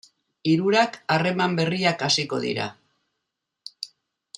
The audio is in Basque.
Hirurak harreman berriak hasiko dira.